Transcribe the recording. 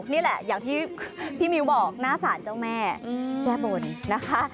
นี่แหละอย่างที่พี่มิวบอกหน้าศาลเจ้าแม่แก้บนนะคะ